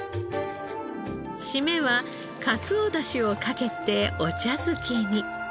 シメはかつおだしをかけてお茶漬けに。